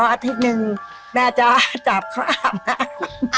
อ๋ออาทิตย์หนึ่งแม่จะภาพน้ำ